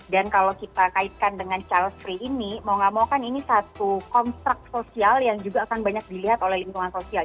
dan kalau kita kaitkan dengan charles free ini mau nggak mau kan ini satu konstruk sosial yang juga akan banyak dilihat oleh lingkungan sosial